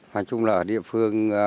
nói chung là ở địa phương